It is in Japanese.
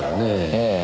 ええ。